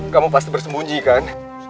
kamu pasti bersembunyikan